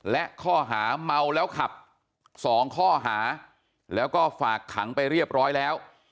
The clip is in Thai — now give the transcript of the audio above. และข้อหาเมาแล้วขับ๒ข้อหาแล้วก็ฝากขังไปเรียบร้อยแล้ว